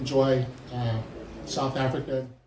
ติดตามตอนต่อไป